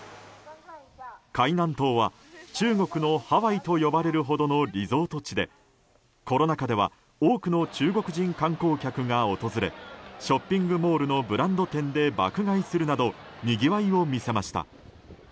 海南島は、中国のハワイと呼ばれるほどのリゾート地でコロナ禍では多くの中国人観光客が訪れショッピングモールのブランド店で爆買いするなどにぎわいを見せました。